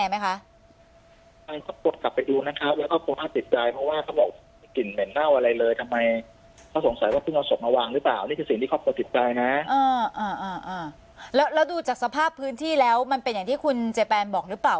แล้วดูจากสภาพพื้นที่แล้วมันเป็นอย่างที่คุณเจแปนบอกหรือเปล่า